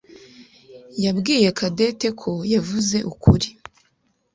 yabwiye Cadette ko yavuze ukuri.